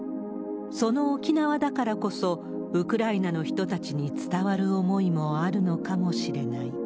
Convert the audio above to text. その沖縄だからこそ、ウクライナの人たちに伝わる思いもあるのかもしれない。